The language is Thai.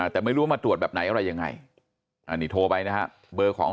แต่ไม่รู้ว่ามาตรวจแบบไหนอะไรยังไงอันนี้โทรไปนะฮะเบอร์ของ